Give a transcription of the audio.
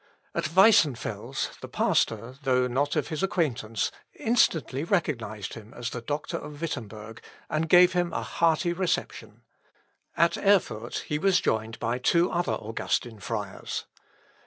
At Weissenfels, the pastor, though not of his acquaintance, instantly recognised him as the doctor of Wittemberg, and gave him a hearty reception. At Erfurt, he was joined by two other Augustin friars.